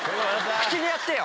口にやってよ！